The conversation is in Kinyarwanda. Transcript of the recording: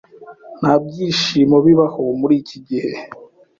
Nta byinshi bibaho muri iki gihe.